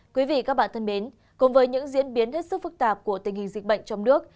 quý vị và các bạn thân mến cùng với những diễn biến hết sức phức tạp của tình hình dịch bệnh trong nước